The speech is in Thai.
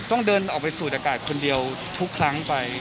ต้องเดินออกไปสูดอากาศคนเดียวทุกครั้งไป